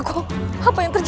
kolon yang bening